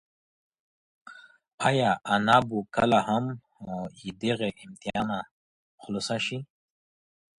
ایا انا به کله هم له دغه امتحانه خلاصه شي؟